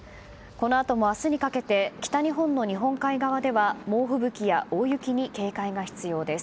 このあとも明日にかけて北日本の日本海側では猛吹雪や大雪に警戒が必要です。